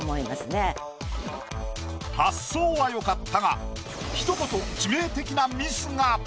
発想は良かったがひと言致命的なミスが。